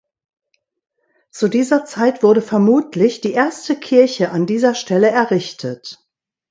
Zu dieser Zeit wurde vermutlich die erste Kirche an dieser Stelle errichtet.